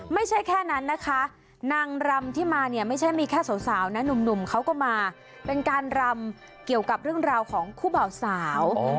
ไม่ใช่แค่นั้นนะคะนางรำที่มาเนี่ยไม่ใช่มีแค่สาวนะหนุ่มเขาก็มาเป็นการรำเกี่ยวกับเรื่องราวของคู่บ่าวสาว